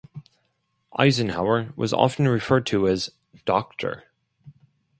Eisenhower was often referred to as Doctor.